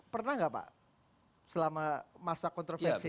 pernah nggak pak selama masa kontroversi